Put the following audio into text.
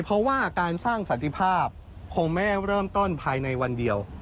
เพราะว่าการสร้างสันติภาพคงไม่เริ่มต้นภายในวันเดียว